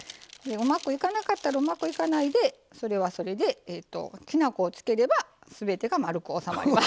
うまくいかなかったらうまくいかないでそれはそれできな粉をつければすべてがまるく収まります。